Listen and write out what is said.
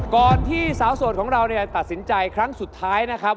ก่อนที่สาวโสดของเราตัดสินใจครั้งสุดท้ายนะครับ